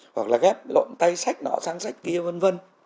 hoặc là ghép lộn tay sách nọ sang sách kia vân vân